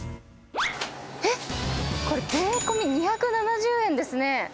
えっ、これ、税込み２７０円ですね。